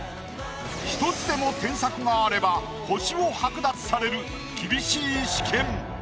１つでも添削があれば星を剥奪される厳しい試験。